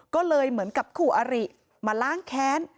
ก็เลยเหมือนกับคู่อริมาล้างแค้น